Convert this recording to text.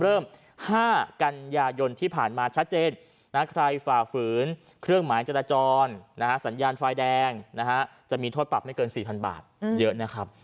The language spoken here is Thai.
๕กันยายนที่ผ่านมาชัดเจนนะใครฝ่าฝืนเครื่องหมายจราจรสัญญาณไฟแดงนะฮะจะมีโทษปรับไม่เกิน๔๐๐บาทเยอะนะครับ